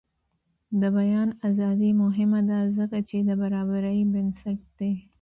د بیان ازادي مهمه ده ځکه چې د برابرۍ بنسټ دی.